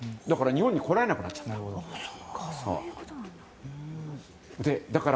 だから日本に来られなくなったんです。